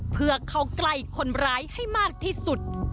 เพื่อเข้าใกล้คนร้ายให้มากที่สุด